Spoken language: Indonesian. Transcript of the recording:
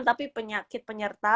tapi penyakit penyerta